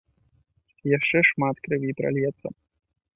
Яшчэ шмат крыві пральецца!